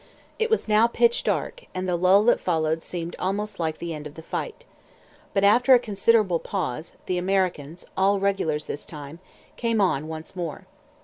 It was now pitch dark, and the lull that followed seemed almost like the end of the fight. But, after a considerable pause, the Americans all regulars this time came on once more.